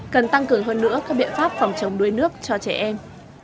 cần tăng cường hơn nữa các biện pháp phòng chống đuối nước cho trẻ em